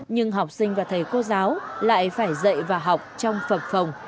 nhưng học sinh và thầy cô giáo lại phải dạy và học trong phật phòng